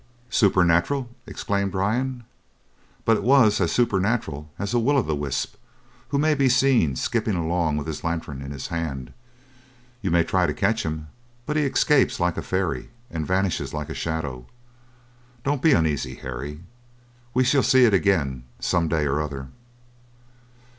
"Supernatural!" exclaimed Ryan. "But it was as supernatural as a Will o' the Wisp, who may be seen skipping along with his lantern in his hand; you may try to catch him, but he escapes like a fairy, and vanishes like a shadow! Don't be uneasy, Harry, we shall see it again some day or other!"